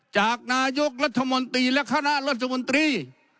จากนายกรัฐมนตรีและคณะรัฐมนตรี